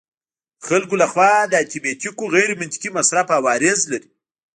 د خلکو لخوا د انټي بیوټیکو غیرمنطقي مصرف عوارض لري.